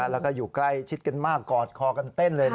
แล้วก็อยู่ใกล้ชิดกันมากกอดคอกันเต้นเลย